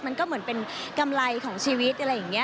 มันก็เหมือนเป็นกำไรของชีวิต